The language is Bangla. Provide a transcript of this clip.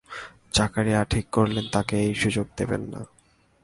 জাকারিয়া ঠিক করলেন তাকে এই সুযোগ দেবেন না।